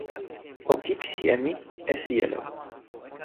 o kipisi e mi e sijelo.